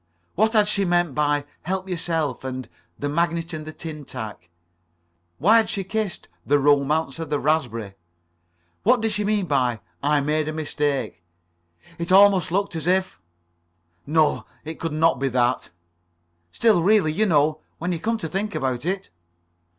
What had she meant by "help yourself," and "the magnet and the tin tack?" Why had she kissed "The Romance of the Raspberry?" What did she mean by "I made a mistake?" It almost looked as if ... No, it could not be that. Still, really you know, when you came to think about it